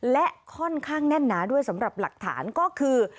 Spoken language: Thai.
และค่อนข้างแน่นหนาด้วยสำหรับหลักฐานก็คือ